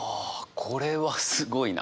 これはすごいな。